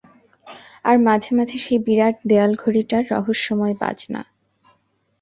আর মাঝে মাঝে সেই বিরাট দেয়ালঘড়িটার রহস্যময় বাজনা।